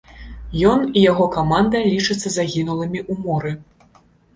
Ён і яго каманда лічацца загінулымі ў моры.